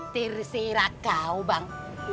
terserah kau bang